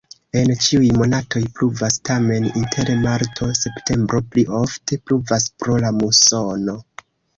En ĉiuj monatoj pluvas, tamen inter marto-septembro pli ofte pluvas pro la musono.